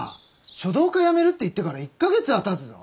書道家辞めるって言ってから１カ月はたつぞ。